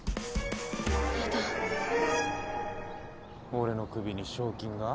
俺の首に賞金が？